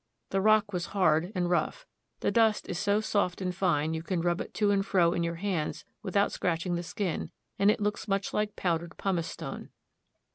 The rock was hard and rough. The dust is so soft and fine you can rub it to and fro in your hands without scratching the skin, and it looks much like powdered pumice stone.